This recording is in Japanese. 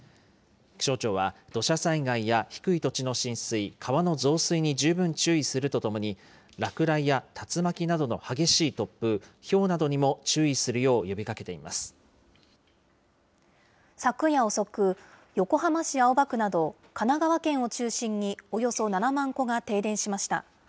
気象庁は、土砂災害や低い土地の浸水、川の増水に十分注意するとともに、落雷や竜巻などの激しい突風、ひょうなどにも注意するよう呼びか昨夜遅く、横浜市青葉区など、神奈川県を中心に、およそ７万戸が停電しました。